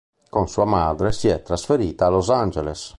Con sua madre si è trasferita a Los Angeles.